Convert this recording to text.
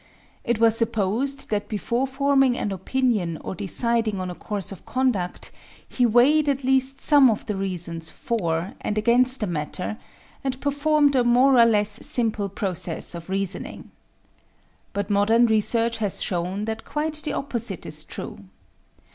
It was supposed that before forming an opinion or deciding on a course of conduct he weighed at least some of the reasons for and against the matter, and performed a more or less simple process of reasoning. But modern research has shown that quite the opposite is true.